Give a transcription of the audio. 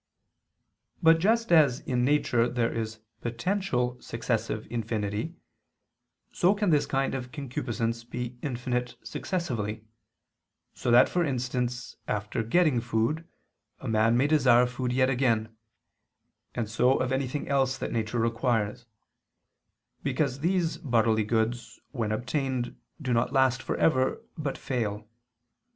But just as in nature there is potential successive infinity, so can this kind of concupiscence be infinite successively; so that, for instance, after getting food, a man may desire food yet again; and so of anything else that nature requires: because these bodily goods, when obtained, do not last for ever, but fail.